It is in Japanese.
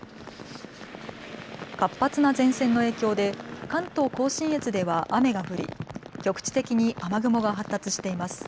活発な前線の影響で関東甲信越では雨が降り局地的に雨雲が発達しています。